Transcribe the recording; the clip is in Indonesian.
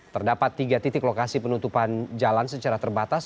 terdapat tiga titik lokasi penutupan jalan secara terbatas